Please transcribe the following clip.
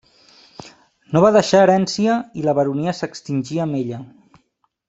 No va deixar herència i la baronia s'extingí amb ella.